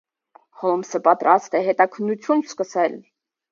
Հոլմսը պատրաստ է հետաքննություն սկսել։